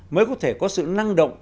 mới có thể có sự năng động